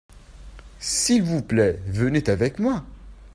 s'il vous plait venez avec moi.